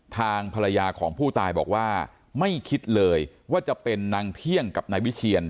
ทางภรรยาของผู้ตายบอกว่าไม่คิดเลยว่าจะเป็นนางเที่ยงกับนายวิเชียน